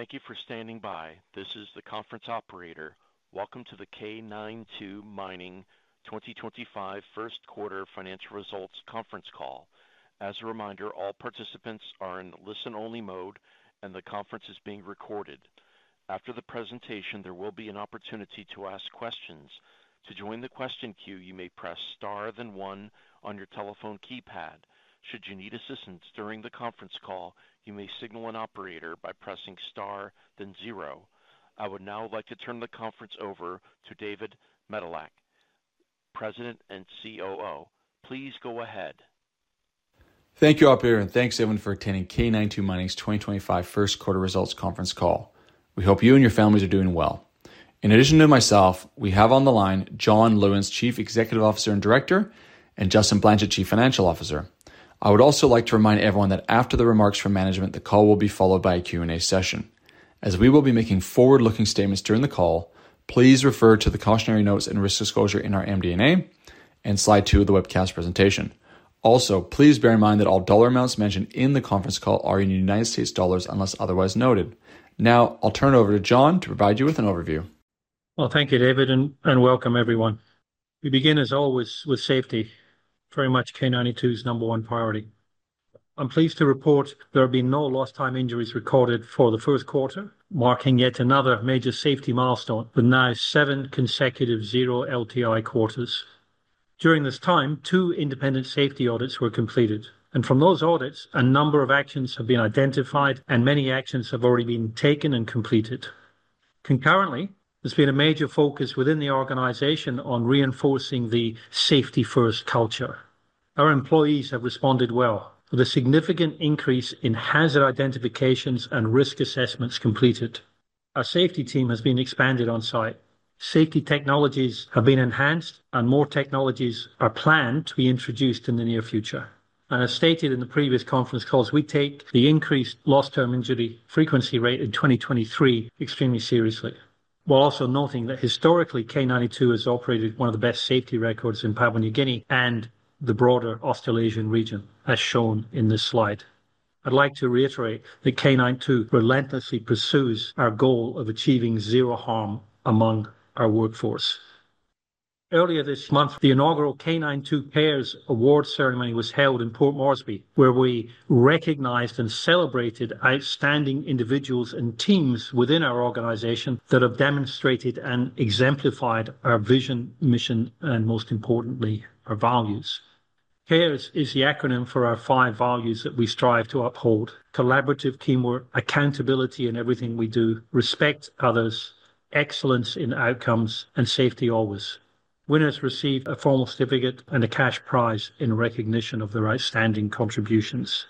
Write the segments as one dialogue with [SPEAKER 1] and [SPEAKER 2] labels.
[SPEAKER 1] Thank you for standing by. This is the conference operator. Welcome to the K92 Mining 2025 first quarter financial results conference call. As a reminder, all participants are in listen-only mode, and the conference is being recorded. After the presentation, there will be an opportunity to ask questions. To join the question queue, you may press star then one on your telephone keypad. Should you need assistance during the conference call, you may signal an operator by pressing star then zero. I would now like to turn the conference over to David Medilek, President and COO. Please go ahead.
[SPEAKER 2] Thank you all, Peter, and thanks everyone for attending K92 Mining's 2025 first quarter results conference call. We hope you and your families are doing well. In addition to myself, we have on the line John Lewins, Chief Executive Officer and Director, and Justin Blanchet, Chief Financial Officer. I would also like to remind everyone that after the remarks from management, the call will be followed by a Q&A session. As we will be making forward-looking statements during the call, please refer to the cautionary notes and risk disclosure in our MD&A and slide two of the webcast presentation. Also, please bear in mind that all dollar amounts mentioned in the conference call are in United States dollars unless otherwise noted. Now, I'll turn it over to John to provide you with an overview.
[SPEAKER 3] Thank you, David, and welcome everyone. We begin, as always, with safety. Very much K92's number one priority. I'm pleased to report there have been no lost-time injuries recorded for the first quarter, marking yet another major safety milestone, with now seven consecutive zero LTI quarters. During this time, two independent safety audits were completed, and from those audits, a number of actions have been identified, and many actions have already been taken and completed. Concurrently, there's been a major focus within the organization on reinforcing the safety-first culture. Our employees have responded well to the significant increase in hazard identifications and risk assessments completed. Our safety team has been expanded on site. Safety technologies have been enhanced, and more technologies are planned to be introduced in the near future. As stated in the previous conference calls, we take the increased lost-time injury frequency rate in 2023 extremely seriously. We're also noting that historically, K92 has operated one of the best safety records in Papua New Guinea and the broader Australasian region, as shown in this slide. I'd like to reiterate that K92 relentlessly pursues our goal of achieving zero harm among our workforce. Earlier this month, the inaugural K92 CARES Award Ceremony was held in Port Moresby, where we recognized and celebrated outstanding individuals and teams within our organization that have demonstrated and exemplified our vision, mission, and most importantly, our values. CARES is the acronym for our five values that we strive to uphold: collaborative teamwork, accountability in everything we do, respect others, excellence in outcomes, and safety always. Winners receive a formal certificate and a cash prize in recognition of their outstanding contributions.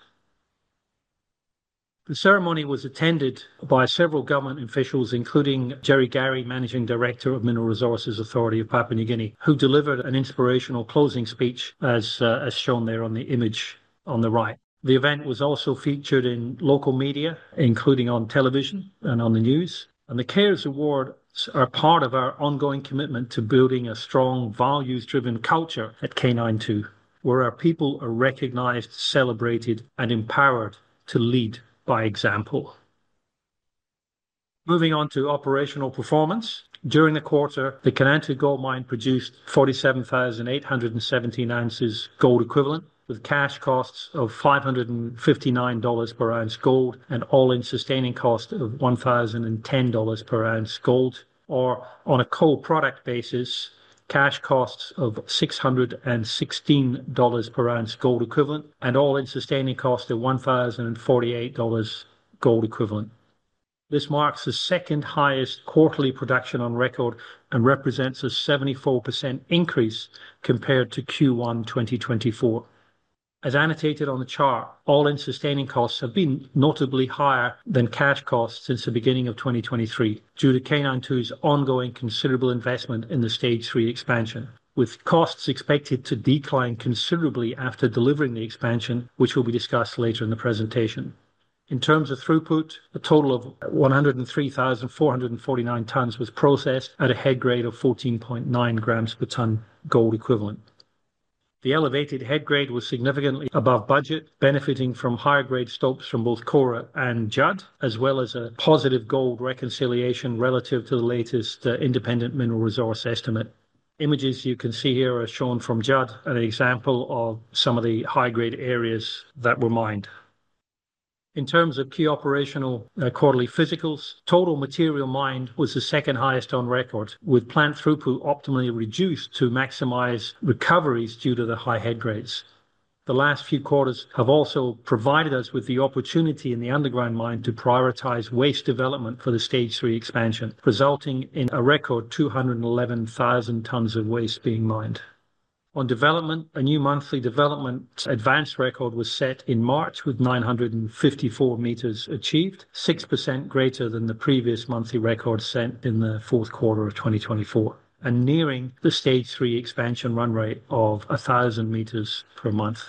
[SPEAKER 3] The ceremony was attended by several government officials, including Jerry Garry, Managing Director of Mineral Resources Authority of Papua New Guinea, who delivered an inspirational closing speech, as shown there on the image on the right. The event was also featured in local media, including on television and on the news. The CARES awards are part of our ongoing commitment to building a strong values-driven culture at K92, where our people are recognized, celebrated, and empowered to lead by example. Moving on to operational performance, during the quarter, the K92 Gold Mine produced 47,817 oz gold equivalent (“AuEq”), with cash costs of $559/oz gold and all-in sustaining cost of $1,010/oz gold, or on a co-product basis, cash costs of $616/oz AuEq and all-in sustaining cost of $1,048/oz AuEq. This marks the second highest quarterly production on record and represents a 74% increase compared to Q1 2024. As annotated on the chart, all-in sustaining costs have been notably higher than cash costs since the beginning of 2023 due to K92's ongoing considerable investment in the Stage 3 expansion, with costs expected to decline considerably after delivering the expansion, which will be discussed later in the presentation. In terms of throughput, a total of 103,449 tonnes was processed at a head grade of 14.9 grams per tonne (g/t) AuEq. The elevated head grade was significantly above budget, benefiting from higher grade stopes from both Kora and Judd, as well as a positive gold reconciliation relative to the latest independent mineral resource estimate. Images you can see here are shown from Judd as an example of some of the high-grade areas that were mined. In terms of key operational quarterly physicals, total material mined was the second highest on record, with plant throughput optimally reduced to maximize recoveries due to the high head grades. The last few quarters have also provided us with the opportunity in the underground mine to prioritize waste development for the Stage 3 expansion, resulting in a record 211,000 tonnes of waste being mined. On development, a new monthly development advance record was set in March, with 954 meters achieved, 6% greater than the previous monthly record set in the fourth quarter of 2024, and nearing the Stage 3 expansion run rate of 1,000 meters per month.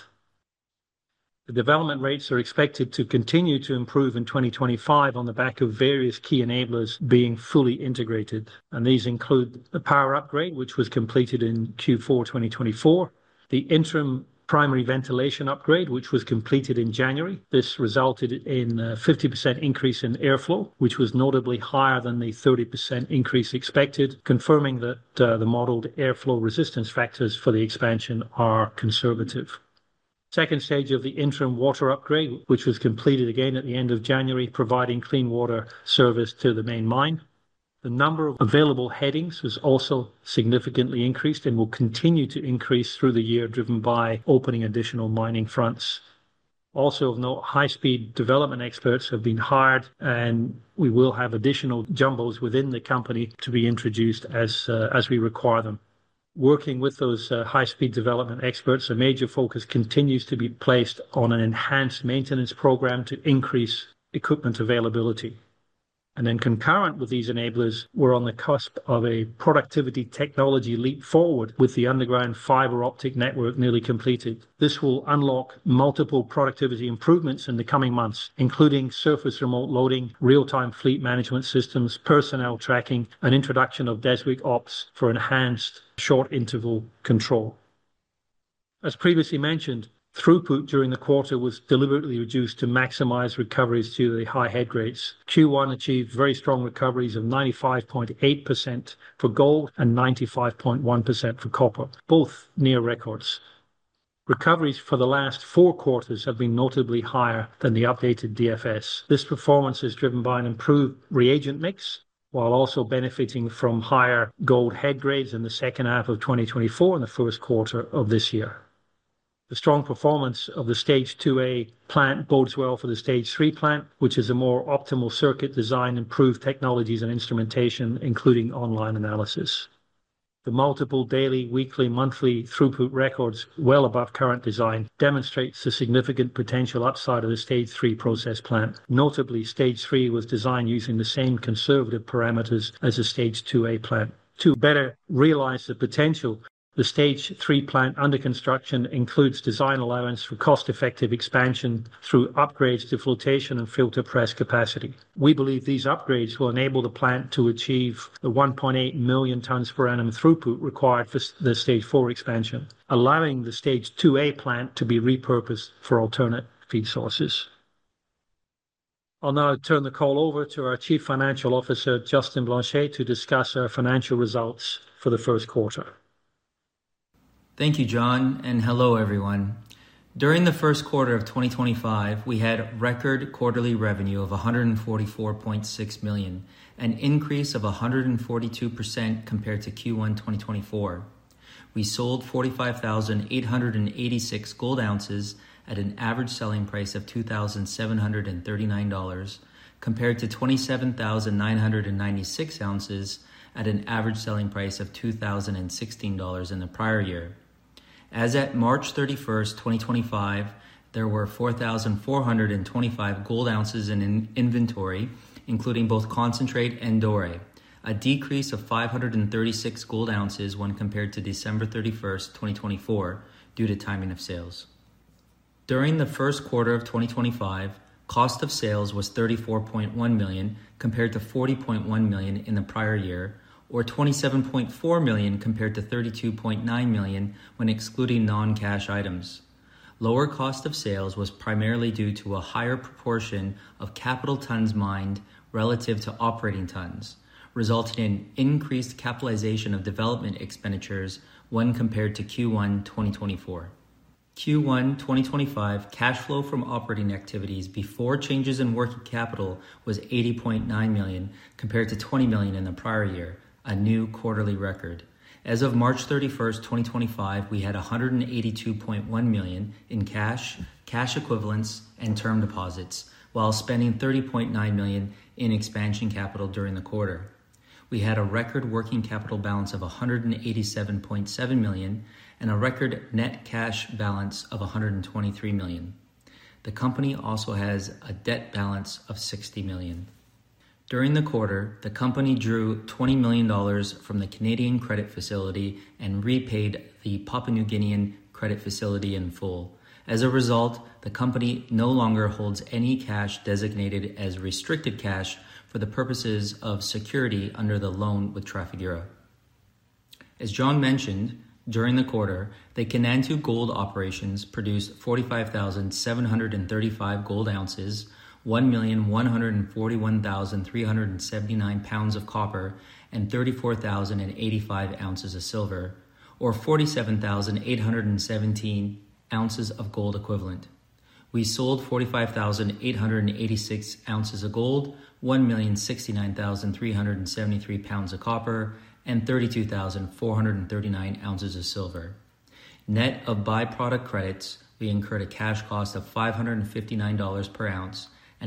[SPEAKER 3] The development rates are expected to continue to improve in 2025 on the back of various key enablers being fully integrated, and these include the power upgrade, which was completed in Q4 2024, the interim primary ventilation upgrade, which was completed in January. This resulted in a 50% increase in airflow, which was notably higher than the 30% increase expected, confirming that the modeled airflow resistance factors for the expansion are conservative. The second stage of the interim water upgrade, which was completed again at the end of January, provided clean water service to the main mine. The number of available headings has also significantly increased and will continue to increase through the year, driven by opening additional mining fronts. Also, of note, high-speed development experts have been hired, and we will have additional jumbos within the company to be introduced as we require them. Working with those high-speed development experts, a major focus continues to be placed on an enhanced maintenance program to increase equipment availability. Then, concurrent with these enablers, we're on the cusp of a productivity technology leap forward with the underground fiber optic network nearly completed. This will unlock multiple productivity improvements in the coming months, including surface remote loading, real-time fleet management systems, personnel tracking, and introduction of Deswik OPS for enhanced short-interval control. As previously mentioned, throughput during the quarter was deliberately reduced to maximize recoveries due to the high head grades. Q1 achieved very strong recoveries of 95.8% for gold and 95.1% for copper, both near records. Recoveries for the last four quarters have been notably higher than the Updated DFS. This performance is driven by an improved reagent mix while also benefiting from higher gold head grades in the second half of 2024 and the first quarter of this year. The strong performance of the Stage 2A plant bodes well for the Stage 3 plant, which is a more optimal circuit design, improved technologies and instrumentation, including online analysis. The multiple daily, weekly, monthly throughput records, well above current design, demonstrate the significant potential upside of the Stage 3 process plant. Notably, Stage 3 was designed using the same conservative parameters as the Stage 2A plant. To better realize the potential, the Stage 3 plant under construction includes design allowance for cost-effective expansion through upgrades to flotation and filter press capacity. We believe these upgrades will enable the plant to achieve the 1.8 million tpa (tonnes per annum) throughput required for the Stage 4 expansion, allowing the Stage 2A plant to be repurposed for alternate feed sources. I'll now turn the call over to our Chief Financial Officer, Justin Blanchet, to discuss our financial results for the first quarter.
[SPEAKER 4] Thank you, John, and hello, everyone. During the first quarter of 2025, we had record quarterly revenue of $144.6 million, an increase of 142% compared to Q1 2024. We sold 45,886 gold oz at an average selling price of $2,739, compared to 27,996 oz at an average selling price of $2,016 in the prior year. As of March 31st, 2025, there were 4,425 gold oz in inventory, including both concentrate and doré, a decrease of 536 gold oz when compared to December 31st, 2024, due to timing of sales. During the first quarter of 2025, cost of sales was $34.1 million compared to $40.1 million in the prior year, or $27.4 million compared to $32.9 million when excluding non-cash items. Lower cost of sales was primarily due to a higher proportion of capital tonnes mined relative to operating tonnes, resulting in increased capitalization of development expenditures when compared to Q1 2024. Q1 2025 cash flow from operating activities before changes in working capital was $80.9 million compared to $20 million in the prior year, a new quarterly record. As of March 31st, 2025, we had $182.1 million in cash, cash equivalents, and term deposits, while spending $30.9 million in expansion capital during the quarter. We had a record working capital balance of $187.7 million and a record net cash balance of $123 million. The company also has a debt balance of $60 million. During the quarter, the company drew $20 million from the Canadian Credit Facility and repaid the Papua New Guinean Credit Facility in full. As a result, the company no longer holds any cash designated as restricted cash for the purposes of security under the loan with Trafigura. As John mentioned, during the quarter, the K92 gold operations produced 45,735 gold oz, 1,141,379 lbs of copper, and 34,085 oz of silver, or 47,817 oz AuEq. We sold 45,886 oz of gold, 1,069,373 lbs of copper, and 32,439 oz of silver. Net of byproduct credits, we incurred a cash cost of $559/oz and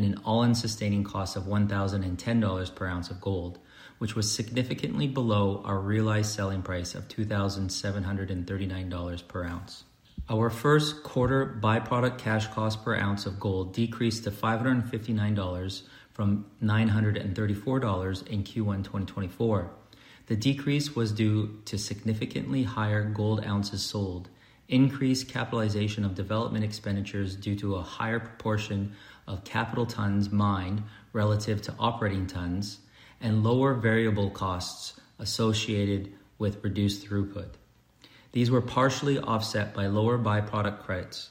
[SPEAKER 4] an all-in sustaining cost of $1,010/oz gold, which was significantly below our realized selling price of $2,739/oz. Our first quarter byproduct cash cost per ounce of gold decreased to $559 from $934 in Q1 2024. The decrease was due to significantly higher gold ounces sold, increased capitalization of development expenditures due to a higher proportion of capital tonnes mined relative to operating tonnes, and lower variable costs associated with reduced throughput. These were partially offset by lower byproduct credits.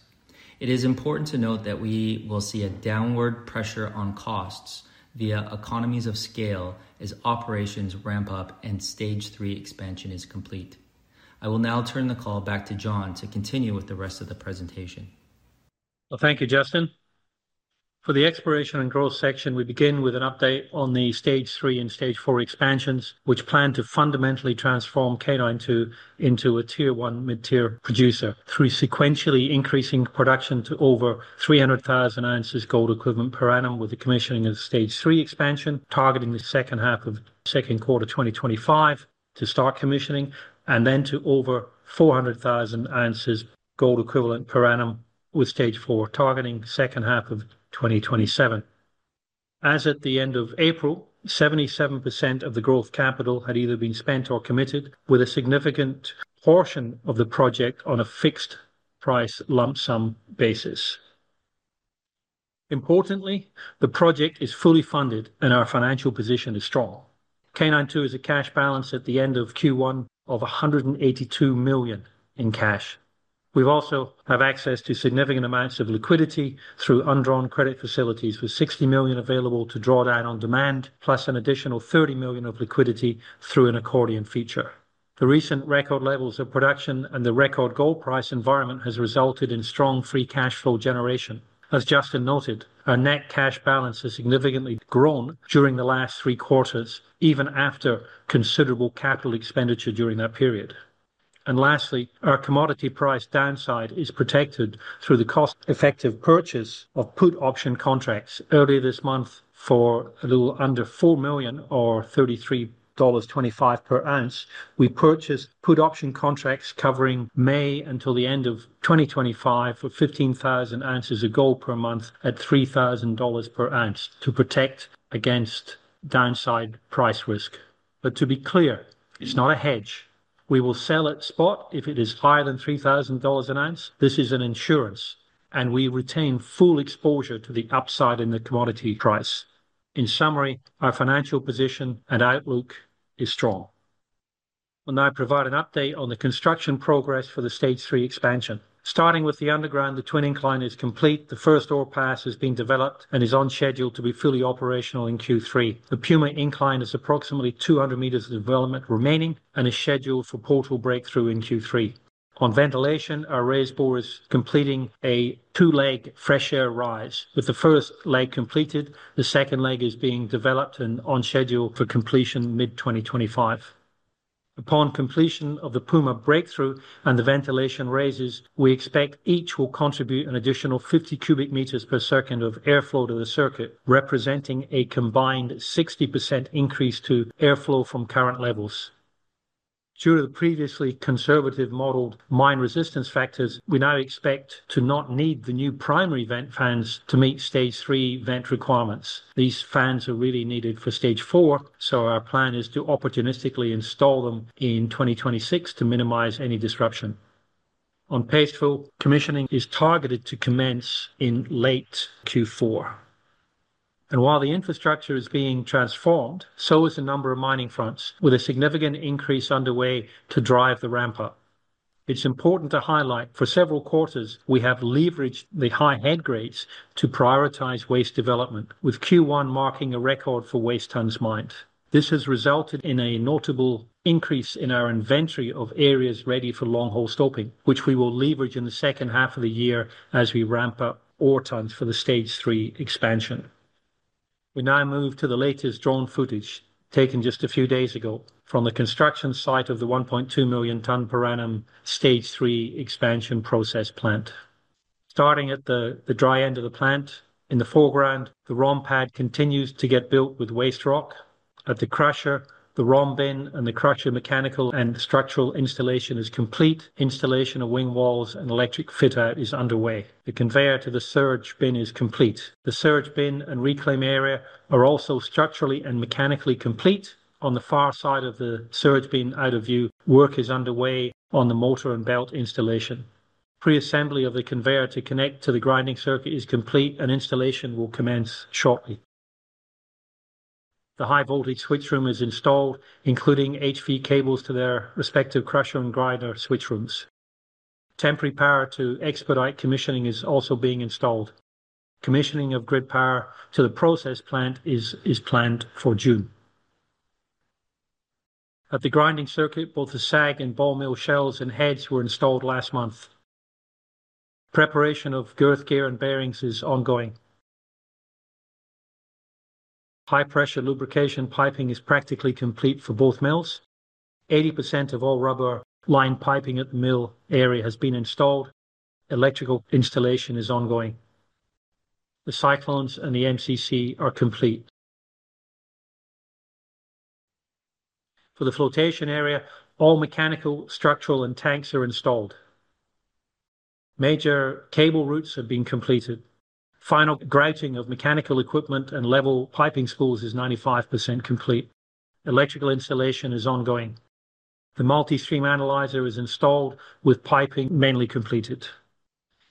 [SPEAKER 4] It is important to note that we will see a downward pressure on costs via economies of scale as operations ramp up and Stage 3 expansion is complete. I will now turn the call back to John to continue with the rest of the presentation.
[SPEAKER 3] Thank you, Justin. For the exploration and growth section, we begin with an update on the Stage 3 and Stage 4 expansions, which plan to fundamentally transform K92 into a Tier 1 mid-tier producer through sequentially increasing production to over 300,000 oz AuEq per annum with the commissioning of the Stage 3 expansion, targeting the second half of the second quarter of 2025 to start commissioning, and then to over 400,000 oz AuEq per annum with Stage 4 targeting the second half of 2027. As at the end of April, 77% of the growth capital had either been spent or committed, with a significant portion of the project on a fixed price lump sum basis. Importantly, the project is fully funded and our financial position is strong. K92 has a cash balance at the end of Q1 of $182 million in cash. We also have access to significant amounts of liquidity through undrawn credit facilities, with $60 million available to draw down on demand, plus an additional $30 million of liquidity through an accordion feature. The recent record levels of production and the record gold price environment have resulted in strong free cash flow generation. As Justin noted, our net cash balance has significantly grown during the last three quarters, even after considerable capital expenditure during that period. Lastly, our commodity price downside is protected through the cost-effective purchase of put option contracts. Earlier this month, for a little under $4 million, or $33.25/oz, we purchased put option contracts covering May until the end of 2025 for 15,000 oz gold per month at $3,000/oz to protect against downside price risk. To be clear, it's not a hedge. We will sell at spot if it is higher than $3,000 an ounce. This is an insurance, and we retain full exposure to the upside in the commodity price. In summary, our financial position and outlook are strong. I'll now provide an update on the construction progress for the Stage 3 expansion. Starting with the underground, the twin incline is complete. The first door pass has been developed and is on schedule to be fully operational in Q3. The Puma incline has approximately 200 meters of development remaining and is scheduled for portal breakthrough in Q3. On ventilation, our raised bore is completing a two-leg fresh air rise. With the first leg completed, the second leg is being developed and on schedule for completion mid-2025. Upon completion of the Puma breakthrough and the ventilation raises, we expect each will contribute an additional 50 m³/s of airflow to the circuit, representing a combined 60% increase to airflow from current levels. Due to the previously conservative modeled mine resistance factors, we now expect to not need the new primary vent fans to meet Stage 3 vent requirements. These fans are really needed for Stage 4, so our plan is to opportunistically install them in 2026 to minimize any disruption. On pastefill, commissioning is targeted to commence in late Q4. While the infrastructure is being transformed, so is the number of mining fronts, with a significant increase underway to drive the ramp-up. It's important to highlight that for several quarters, we have leveraged the high head grades to prioritize waste development, with Q1 marking a record for waste tonnes mined. This has resulted in a notable increase in our inventory of areas ready for long-haul stoping, which we will leverage in the second half of the year as we ramp up ore tonnes for the Stage 3 expansion. We now move to the latest drone footage taken just a few days ago from the construction site of the 1.2 million tpa Stage 3 expansion process plant. Starting at the dry end of the plant, in the foreground, the ROM pad continues to get built with waste rock. At the crusher, the ROM bin and the crusher mechanical and structural installation are complete. Installation of wing walls and electric fit-out is underway. The conveyor to the surge bin is complete. The surge bin and reclaim area are also structurally and mechanically complete. On the far side of the surge bin out of view, work is underway on the motor and belt installation. Pre-assembly of the conveyor to connect to the grinding circuit is complete, and installation will commence shortly. The high-voltage switchroom is installed, including HV cables to their respective crusher and grinder switchrooms. Temporary power to expedite commissioning is also being installed. Commissioning of grid power to the process plant is planned for June. At the grinding circuit, both the SAG and ball mill shells and heads were installed last month. Preparation of girth gear and bearings is ongoing. High-pressure lubrication piping is practically complete for both mills. 80% of all rubber lined piping at the mill area has been installed. Electrical installation is ongoing. The cyclones and the MCC are complete. For the flotation area, all mechanical, structural, and tanks are installed. Major cable routes have been completed. Final grouting of mechanical equipment and level piping spools is 95% complete. Electrical installation is ongoing. The multi-stream analyzer is installed, with piping mainly completed.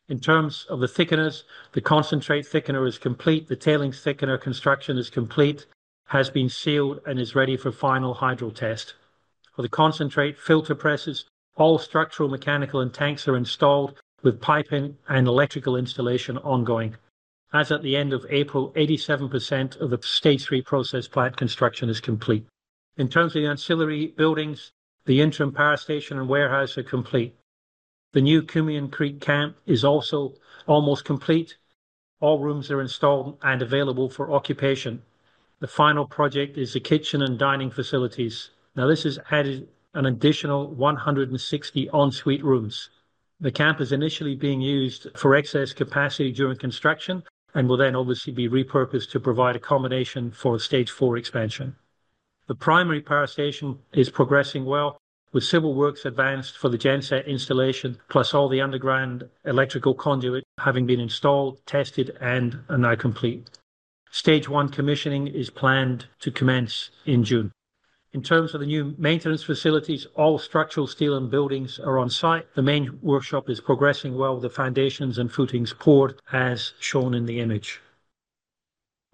[SPEAKER 3] In terms of the thickeners, the concentrate thickener is complete. The tailings thickener construction is complete, has been sealed, and is ready for final hydro test. For the concentrate filter presses, all structural, mechanical, and tanks are installed, with piping and electrical installation ongoing. As at the end of April, 87% of the Stage 3 process plant construction is complete. In terms of the ancillary buildings, the interim power station and warehouse are complete. The new Kumian Creek Camp is also almost complete. All rooms are installed and available for occupation. The final project is the kitchen and dining facilities. Now, this has added an additional 160 en suite rooms. The camp is initially being used for excess capacity during construction and will then obviously be repurposed to provide accommodation for Stage 4 expansion. The primary power station is progressing well, with civil works advanced for the genset installation, plus all the underground electrical conduit having been installed, tested, and now complete. Stage 1 commissioning is planned to commence in June. In terms of the new maintenance facilities, all structural steel and buildings are on site. The main workshop is progressing well, with the foundations and footings poured, as shown in the image.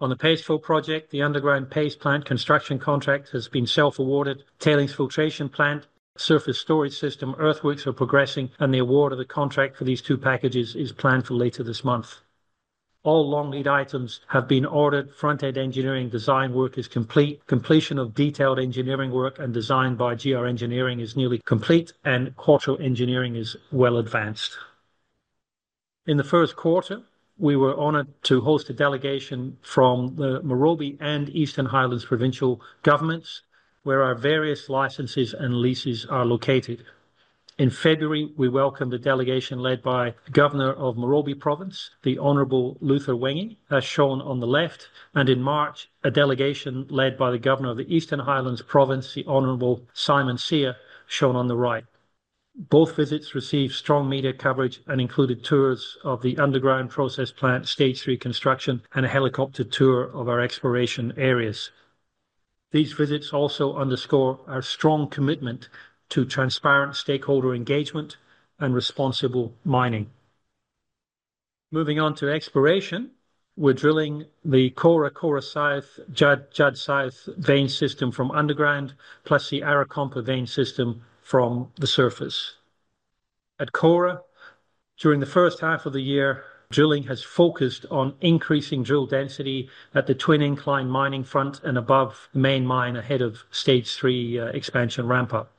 [SPEAKER 3] On the pastefill project, the underground paste plant construction contract has been self-awarded. Tailings filtration plant, surface storage system, earthworks are progressing, and the award of the contract for these two packages is planned for later this month. All long lead items have been ordered. Front-end engineering design work is complete. Completion of detailed engineering work and design by GR Engineering is nearly complete, and quarter engineering is well advanced. In the first quarter, we were honored to host a delegation from the Morobe and Eastern Highlands provincial governments, where our various licenses and leases are located. In February, we welcomed a delegation led by the Governor of Morobe Province, the Honorable Luther Wenge, as shown on the left, and in March, a delegation led by the Governor of the Eastern Highlands Province, the Honorable Simon Sia, shown on the right. Both visits received strong media coverage and included tours of the underground process plant, Stage 3 construction, and a helicopter tour of our exploration areas. These visits also underscore our strong commitment to transparent stakeholder engagement and responsible mining. Moving on to exploration, we're drilling the Kora, Kora South, Judd, Judd South vein system from underground, plus the Arakompa vein system from the surface. At Kora, during the first half of the year, drilling has focused on increasing drill density at the twin incline mining front and above the main mine ahead of Stage 3 expansion ramp-up.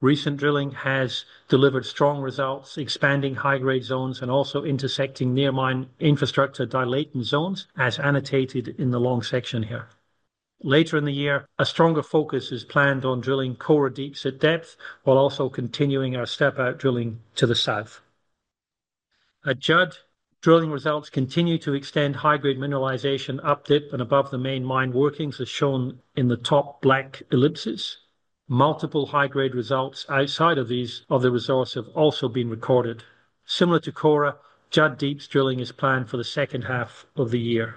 [SPEAKER 3] Recent drilling has delivered strong results, expanding high-grade zones and also intersecting near mine infrastructure dilatant zones, as annotated in the long section here. Later in the year, a stronger focus is planned on drilling Kora Deeps at depth, while also continuing our step-out drilling to the south. At Judd, drilling results continue to extend high-grade mineralization up dip and above the main mine workings, as shown in the top black ellipses. Multiple high-grade results outside of these other resources have also been recorded. Similar to Kora, Judd Deeps drilling is planned for the second half of the year.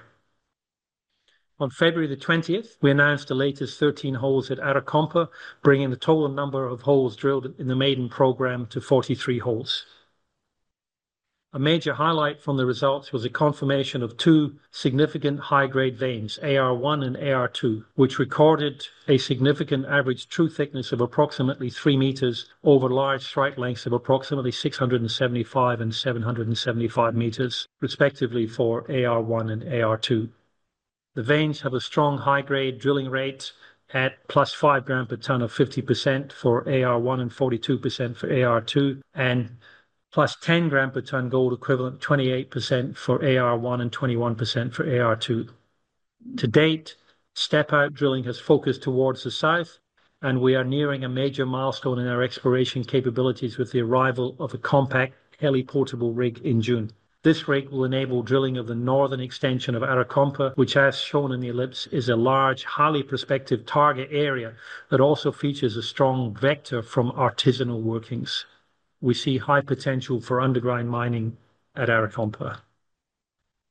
[SPEAKER 3] On February the 20th, we announced the latest 13 holes at Arakompa, bringing the total number of holes drilled in the maiden program to 43 holes. A major highlight from the results was the confirmation of two significant high-grade veins, AR1 and AR2, which recorded a significant average true thickness of approximately 3 meters over large strike lengths of approximately 675 and 775 meters, respectively for AR1 and AR2. The veins have a strong high-grade drilling rate at +5 g/t of 50% for AR1 and 42% for AR2, and +10 g/t AuEq, 28% for AR1 and 21% for AR2. To date, step-out drilling has focused towards the south, and we are nearing a major milestone in our exploration capabilities with the arrival of a compact heli-portable rig in June. This rig will enable drilling of the northern extension of Arakompa, which, as shown in the ellipse, is a large, highly prospective target area that also features a strong vector from artisanal workings. We see high potential for underground mining at Arakompa.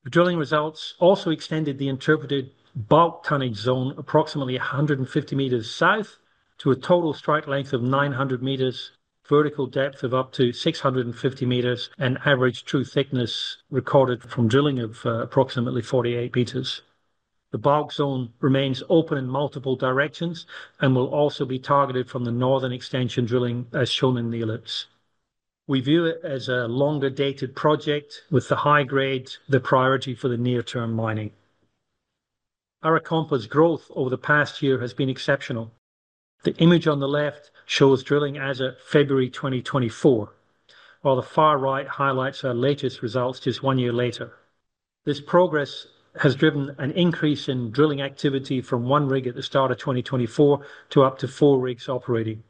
[SPEAKER 3] The drilling results also extended the interpreted bulk tunneling zone approximately 150 meters south to a total strike length of 900 meters, vertical depth of up to 650 meters, and average true thickness recorded from drilling of approximately 48 meters. The bulk zone remains open in multiple directions and will also be targeted from the northern extension drilling, as shown in the ellipse. We view it as a longer dated project with the high grade, the priority for the near-term mining. Arakompa's growth over the past year has been exceptional. The image on the left shows drilling as of February 2024, while the far right highlights our latest results just one year later. This progress has driven an increase in drilling activity from one rig at the start of 2024 to up to four rigs operating.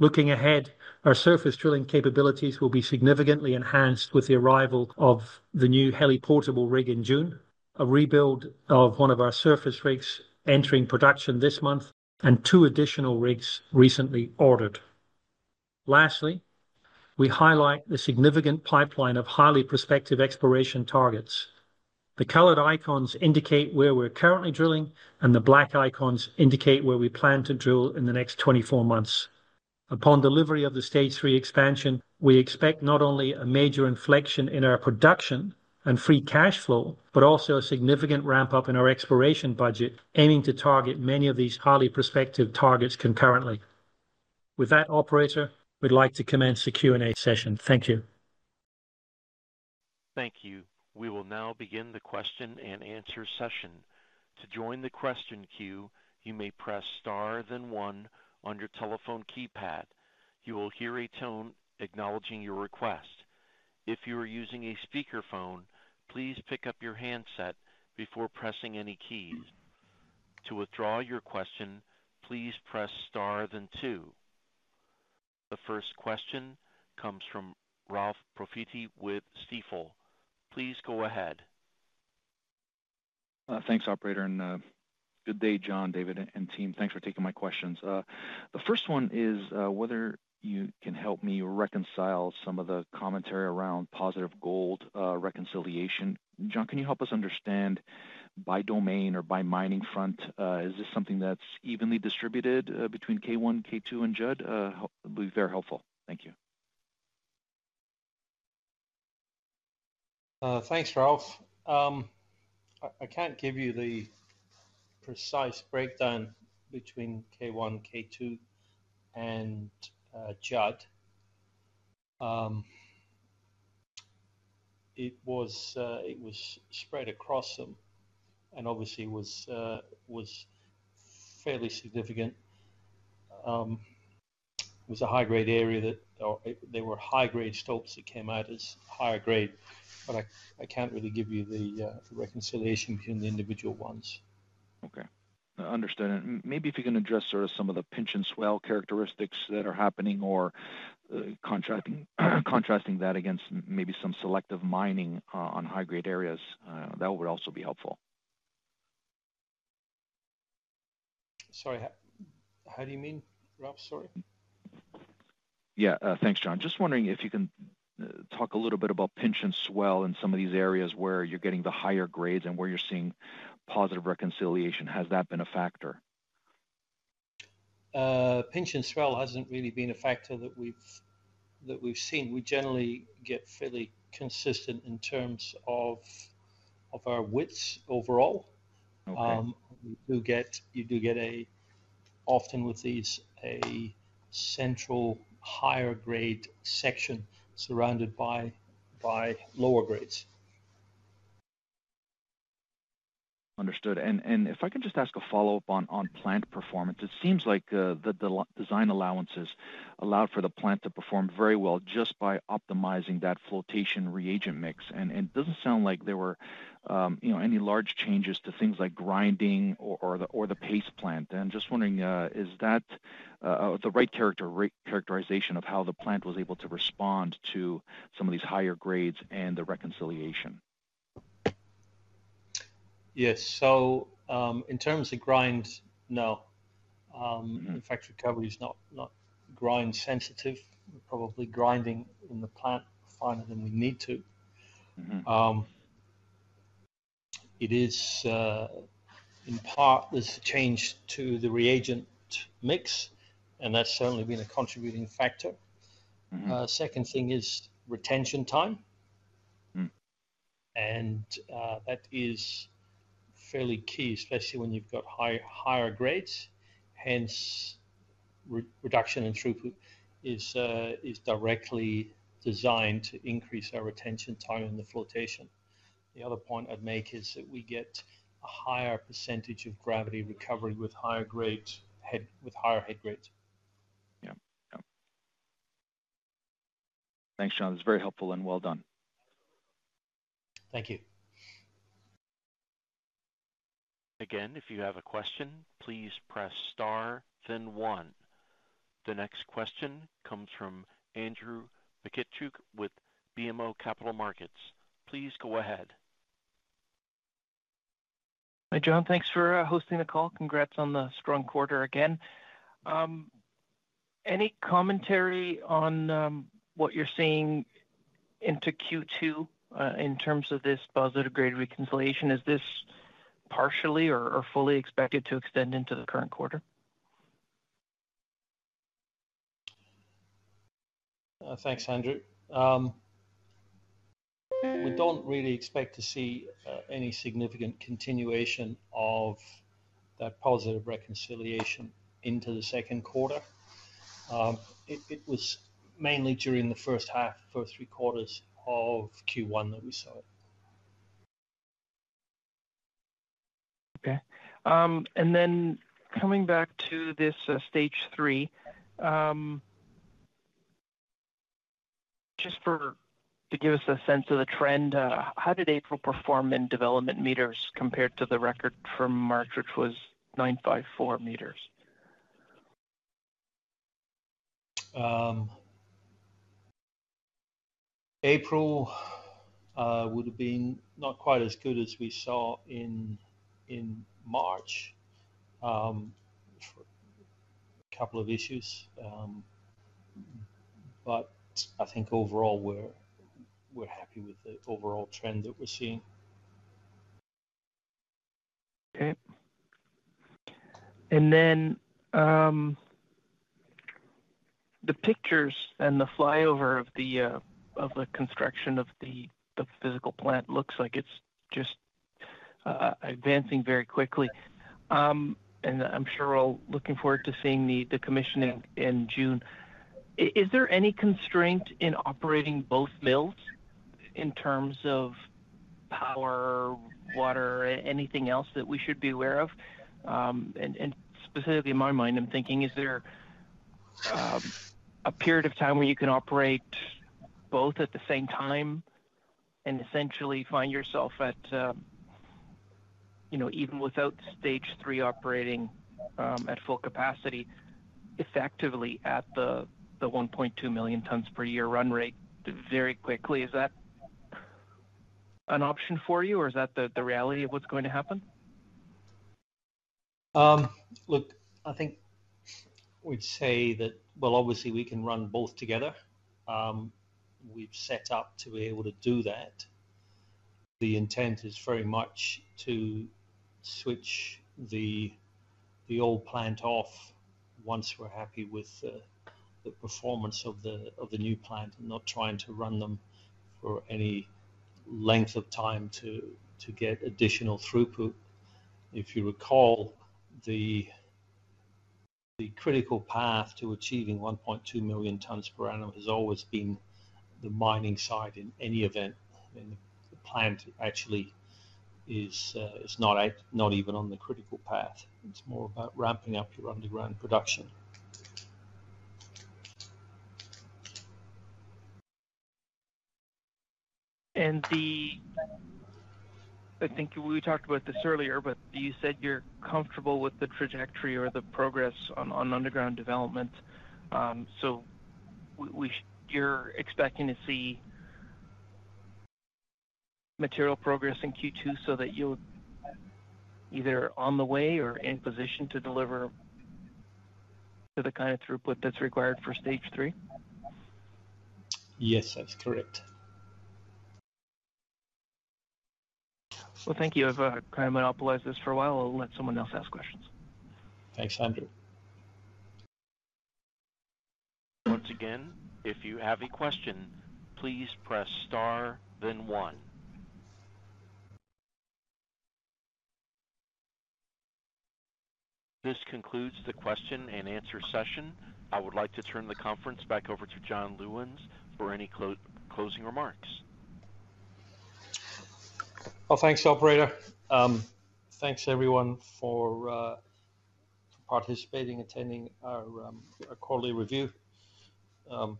[SPEAKER 3] Looking ahead, our surface drilling capabilities will be significantly enhanced with the arrival of the new heli-portable rig in June, a rebuild of one of our surface rigs entering production this month, and two additional rigs recently ordered. Lastly, we highlight the significant pipeline of highly prospective exploration targets. The colored icons indicate where we're currently drilling, and the black icons indicate where we plan to drill in the next 24 months. Upon delivery of the Stage 3 expansion, we expect not only a major inflection in our production and free cash flow, but also a significant ramp-up in our exploration budget, aiming to target many of these highly prospective targets concurrently. With that, Operator, we'd like to commence the Q&A session. Thank you.
[SPEAKER 1] Thank you. We will now begin the question-and-answer session. To join the question queue, you may press star then one on your telephone keypad. You will hear a tone acknowledging your request. If you are using a speakerphone, please pick up your handset before pressing any keys. To withdraw your question, please press star then two. The first question comes from Ralph Profiti with Stifel. Please go ahead.
[SPEAKER 5] Thanks, Operator, and good day, John, David, and team. Thanks for taking my questions. The first one is whether you can help me reconcile some of the commentary around positive gold reconciliation. John, can you help us understand by domain or by mining front? Is this something that's evenly distributed between K1, K2, and Judd? It would be very helpful. Thank you.
[SPEAKER 3] Thanks, Ralph. I can't give you the precise breakdown between K1, K2, and Judd. It was spread across them, and obviously, it was fairly significant. It was a high-grade area that there were high-grade stokes that came out as higher grade, but I can't really give you the reconciliation between the individual ones.
[SPEAKER 5] Okay. Understood. Maybe if you can address sort of some of the pinch-and-swell characteristics that are happening or contrasting that against maybe some selective mining on high-grade areas, that would also be helpful.
[SPEAKER 3] Sorry, how do you mean, Ralph? Sorry.
[SPEAKER 5] Yeah. Thanks, John. Just wondering if you can talk a little bit about pinch-and-swell in some of these areas where you're getting the higher grades and where you're seeing positive reconciliation. Has that been a factor?
[SPEAKER 3] Pinch-and-swell hasn't really been a factor that we've seen. We generally get fairly consistent in terms of our widths overall. You do get a, often with these, a central higher-grade section surrounded by lower grades.
[SPEAKER 5] Understood. If I can just ask a follow-up on plant performance, it seems like the design allowances allowed for the plant to perform very well just by optimizing that flotation reagent mix. It doesn't sound like there were any large changes to things like grinding or the paste plant. Just wondering, is that the right characterization of how the plant was able to respond to some of these higher grades and the reconciliation?
[SPEAKER 3] Yes. In terms of grind, no. In fact, recovery is not grind sensitive. We're probably grinding in the plant finer than we need to. It is in part, there's a change to the reagent mix, and that's certainly been a contributing factor. The second thing is retention time. That is fairly key, especially when you've got higher grades. Hence, reduction in throughput is directly designed to increase our retention time in the flotation. The other point I'd make is that we get a higher percentage of gravity recovery with higher head grades. Yeah. Yeah.
[SPEAKER 5] Thanks, John. It's very helpful and well done.
[SPEAKER 3] Thank you.
[SPEAKER 1] Again, if you have a question, please press star then one. The next question comes from Andrew Mikitchook with BMO Capital Markets. Please go ahead.
[SPEAKER 6] Hi, John. Thanks for hosting the call. Congrats on the strong quarter again. Any commentary on what you're seeing into Q2 in terms of this positive grade reconciliation? Is this partially or fully expected to extend into the current quarter?
[SPEAKER 3] Thanks, Andrew. We don't really expect to see any significant continuation of that positive reconciliation into the second quarter. It was mainly during the first half, first three quarters of Q1 that we saw.
[SPEAKER 6] Okay. Coming back to this Stage 3, just to give us a sense of the trend, how did April perform in development meters compared to the record from March, which was 954 meters?
[SPEAKER 3] April would have been not quite as good as we saw in March for a couple of issues. I think overall, we're happy with the overall trend that we're seeing.
[SPEAKER 6] Okay. The pictures and the flyover of the construction of the physical plant looks like it's just advancing very quickly. I'm sure we're all looking forward to seeing the commissioning in June. Is there any constraint in operating both mills in terms of power, water, anything else that we should be aware of? Specifically in my mind, I'm thinking, is there a period of time where you can operate both at the same time and essentially find yourself at, even without Stage 3 operating at full capacity, effectively at the 1.2 million tpa run rate very quickly? Is that an option for you, or is that the reality of what's going to happen?
[SPEAKER 3] I think we'd say that, obviously, we can run both together. We've set up to be able to do that. The intent is very much to switch the old plant off once we're happy with the performance of the new plant and not trying to run them for any length of time to get additional throughput. If you recall, the critical path to achieving 1.2 million tpa has always been the mining side in any event. The plant actually is not even on the critical path. It's more about ramping up your underground production.
[SPEAKER 6] I think we talked about this earlier, but you said you're comfortable with the trajectory or the progress on underground development. You're expecting to see material progress in Q2 so that you're either on the way or in position to deliver to the kind of throughput that's required for Stage 3?
[SPEAKER 3] Yes, that's correct.
[SPEAKER 6] Thank you. I've kind of monopolized this for a while. I'll let someone else ask questions.
[SPEAKER 3] Thanks, Andrew.
[SPEAKER 1] Once again, if you have a question, please press star then one. This concludes the question and answer session. I would like to turn the conference back over to John Lewins for any closing remarks.
[SPEAKER 3] Thanks, Operator. Thanks, everyone, for participating, attending our quarterly review. I'm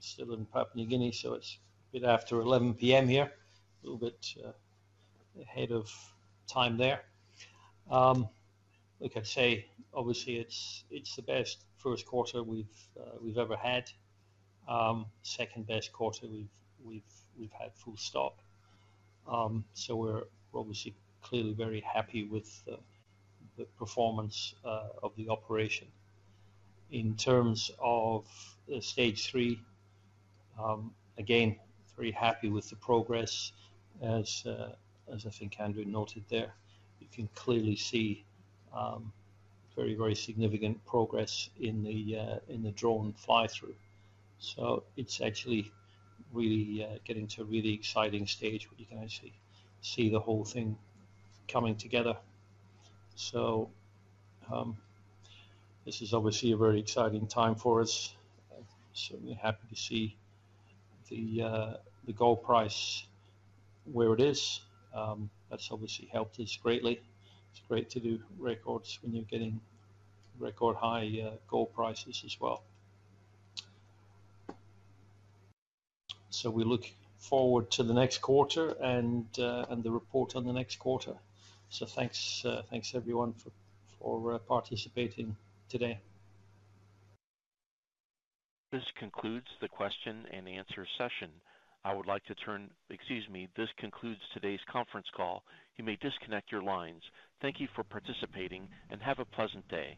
[SPEAKER 3] still in Papua New Guinea, so it's a bit after 11:00 P.M. here, a little bit ahead of time there. Like I say, obviously, it's the best first quarter we've ever had. Second-best quarter we've had full stop. We're obviously clearly very happy with the performance of the operation. In terms of Stage 3, again, very happy with the progress, as I think Andrew noted there. You can clearly see very, very significant progress in the drone fly-through. It's actually really getting to a really exciting stage where you can actually see the whole thing coming together. This is obviously a very exciting time for us. Certainly happy to see the gold price where it is. That has obviously helped us greatly. It is great to do records when you are getting record-high gold prices as well. We look forward to the next quarter and the report on the next quarter. Thanks, everyone, for participating today. This concludes the question-and-answer session. I would like to turn—excuse me. This concludes today's conference call. You may disconnect your lines. Thank you for participating and have a pleasant day.